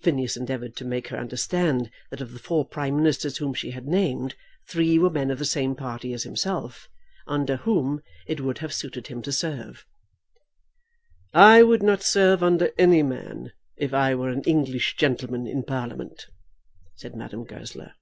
Phineas endeavoured to make her understand that of the four Prime Ministers whom she had named, three were men of the same party as himself, under whom it would have suited him to serve. "I would not serve under any man if I were an English gentleman in Parliament," said Madame Goesler.